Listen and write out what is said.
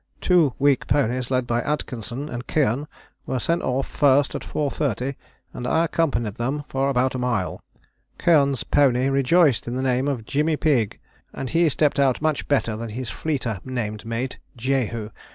Two weak ponies led by Atkinson and Keohane were sent off first at 4.30, and I accompanied them for about a mile. Keohane's pony rejoiced in the name of Jimmy Pigg, and he stepped out much better than his fleeter named mate Jehu.